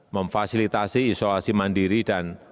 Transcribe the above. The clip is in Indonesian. memfasilitasi isolasi mandiri dan upaya upaya